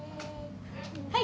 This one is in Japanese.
はい。